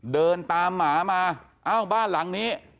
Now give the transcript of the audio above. เดินตามหมามาเอ้าบ้านหลังนี้